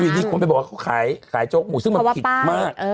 หรืออยู่ที่คนไปบอกว่าเขาขายโจ๊กหมูซึ่งมันผิดมากเพราะว่าป้าเออ